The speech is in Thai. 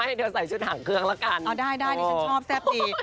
ไม่เดี๋ยวใส่ชุดหังเคืองละกันอ๋อได้นี่ฉันชอบแซ่บดี